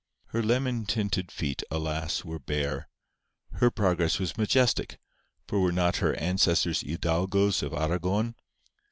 Her lemon tinted feet, alas! were bare. Her progress was majestic, for were not her ancestors hidalgos of Aragon?